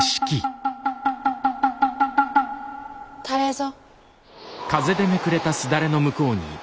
誰ぞ。